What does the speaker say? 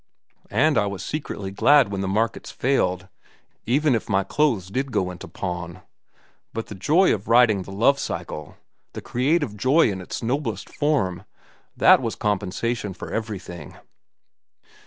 And I was secretly glad when the markets failed, even if my clothes did go into pawn. But the joy of writing the 'Love cycle'! The creative joy in its noblest form! That was compensation for everything."